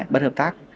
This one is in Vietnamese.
bất hợp tác